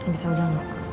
bisa udah mbak